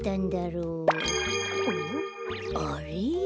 あれ？